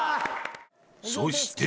［そして］